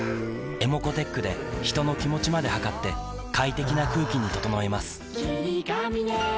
ｅｍｏｃｏーｔｅｃｈで人の気持ちまで測って快適な空気に整えます三菱電機